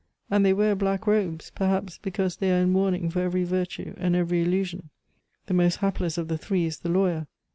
And they wear black robes, perhaps because they are in mourning for every virtue and every illusion. The most hapless of the three is the lawyer.